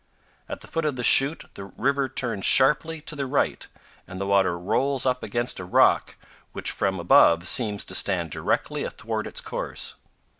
At the foot of the chute the river turns sharply to the right and the water rolls up against a rock which from above seems to stand directly athwart its course.